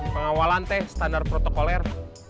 pengawalan teh standar protokol r